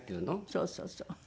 そうそうそう。